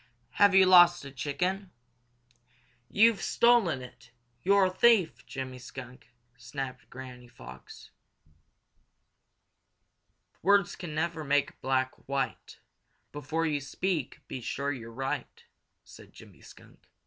"Have you lost a chicken?" "You've stolen it! You're a thief, Jimmy Skunk!" snapped Granny Fox. "Words can never make black white; Before you speak be sure you're right," said Jimmy Skunk.